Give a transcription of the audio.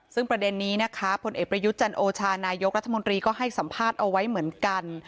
ซึ่งประเด็นนี้นะคะผลเอกประยุทธ์จันโอชานายกรัฐมนตรีก็ให้สัมภาษณ์เอาไว้เหมือนกัน